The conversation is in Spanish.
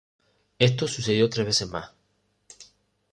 Esto sucedió tres veces más.